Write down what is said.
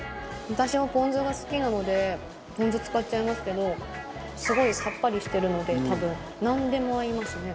私はポン酢が好きなのでポン酢使っちゃいますけどすごいさっぱりしてるので多分なんでも合いますね。